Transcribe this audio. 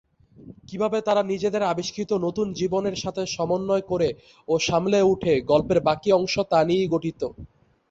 কীভাবে তারা নিজেদের আবিষ্কৃত নতুন জীবনের সাথে সমন্বয় করে ও সামলে উঠে, গল্পের বাকি অংশ তা নিয়েই গঠিত।